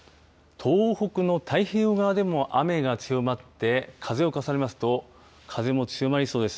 東北の太平洋側でも雨が強まって風を重ねますと風も強まりそうです。